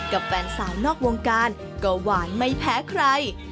กับแฟนสาวนอกวงการก็หวานไม่แพ้ใคร